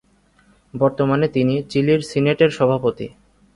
বর্তমানে তিনি চিলির সিনেটের সভাপতি।